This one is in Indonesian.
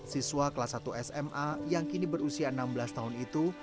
siswa kelas satu sma yang kini berusia enam belas tahun itu